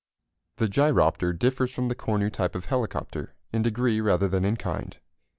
] The gyropter differs from the Cornu type of helicopter in degree rather than in kind.